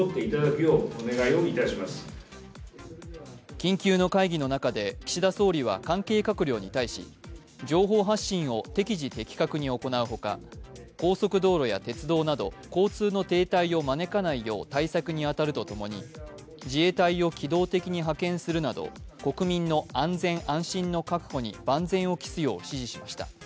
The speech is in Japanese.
緊急の会議の中で岸田総理は関係閣僚に対し情報発進を適時的確に行うほか高速道路や鉄道など交通の停滞を招かないよう対策に当たるとともに自衛隊を機動的に派遣するなど国民の安全・安心の確保に万全を期すよう指示しました。